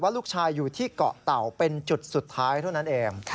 ลูกชายอยู่ที่เกาะเต่าเป็นจุดสุดท้ายเท่านั้นเอง